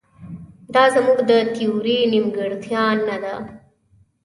دا زموږ د تیورۍ نیمګړتیا نه ده.